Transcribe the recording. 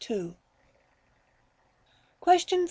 Question 32.